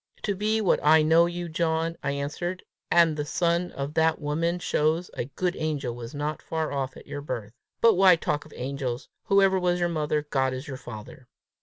"To be what I know you, John," I answered, "and the son of that woman, shows a good angel was not far off at your birth. But why talk of angels? Whoever was your mother, God is your father!"